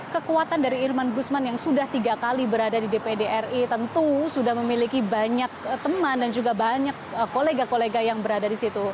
kekuatan dari irman gusman yang sudah tiga kali berada di dpd ri tentu sudah memiliki banyak teman dan juga banyak kolega kolega yang berada di situ